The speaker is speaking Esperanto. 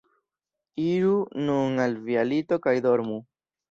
Iru nun al via lito kaj dormu.